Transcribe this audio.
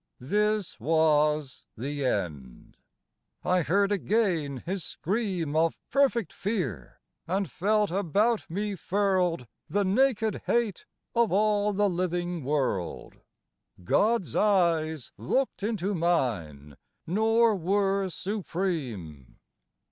This was the end. I heard again his scream Of perfect fear, and felt about me furled The naked hate of all the living world : God's eyes looked into mine nor were supreme